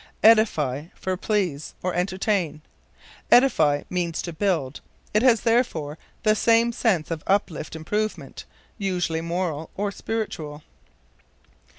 Edify for Please, or Entertain. Edify means to build; it has, therefore, the sense of uplift, improvement usually moral, or spiritual.